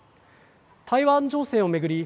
台湾情勢を巡り